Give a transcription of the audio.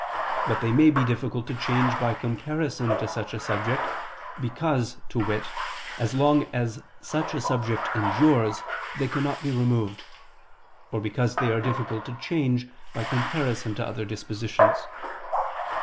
But they may be difficult to change by comparison to such a subject, because, to wit, as long as such a subject endures, they cannot be removed; or because they are difficult to change, by comparison to other dispositions.